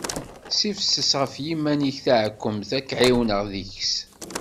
Ssifses ɣef yiman-ik taɛekkemt, ad k-ɛiwnen deg-s.